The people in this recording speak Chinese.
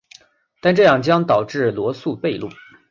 但这样将导致罗素悖论。